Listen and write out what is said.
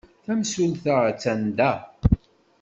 Tamsulta attan da.